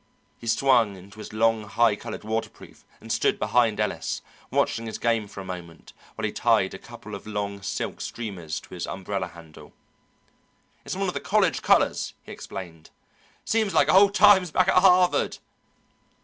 He swung into his long high coloured waterproof and stood behind Ellis, watching his game for a moment while he tied a couple of long silk streamers to his umbrella handle. "It's one of the college colours," he explained. "Seems like old times back at Harvard."